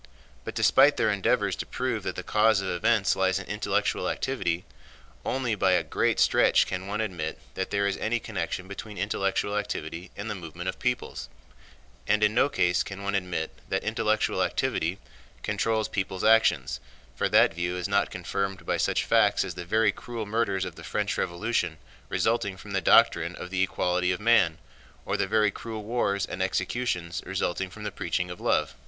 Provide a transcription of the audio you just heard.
But despite their endeavors to prove that the cause of events lies in intellectual activity, only by a great stretch can one admit that there is any connection between intellectual activity and the movement of peoples, and in no case can one admit that intellectual activity controls people's actions, for that view is not confirmed by such facts as the very cruel murders of the French Revolution resulting from the doctrine of the equality of man, or the very cruel wars and executions resulting from the preaching of love.